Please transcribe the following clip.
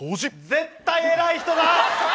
絶対偉い人だ！